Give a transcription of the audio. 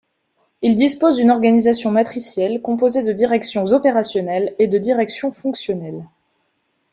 Il dispose d'une organisation matricielle composée de directions opérationnelles et de directions fonctionnelles.